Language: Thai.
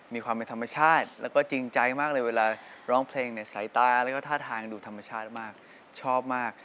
มีความเป็นธรรมชาติแล้วก็จริงใจมากเลยเวลาร้องเพลงเนี่ยสายตาแล้วก็ท่าทางดูธรรมชาติมากชอบมาก